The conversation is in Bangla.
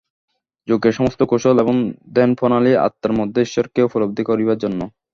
যোগের সমস্ত কৌশল এবং ধ্যানপ্রণালী আত্মার মধ্যে ঈশ্বরকে উপলব্ধি করিবার জন্য।